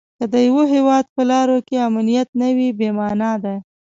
که د یوه هیواد په لارو کې امنیت نه وي بې مانا ده.